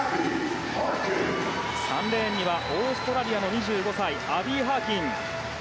３レーンにはオーストラリアの２５歳アビー・ハーキン。